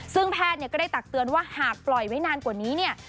ซึ่งแพทย์เนี่ยก็ได้ตักเตือนว่าหากปล่อยไว้นานกว่านี้เนี่ย